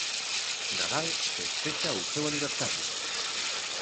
Nadal festexa o seu aniversario.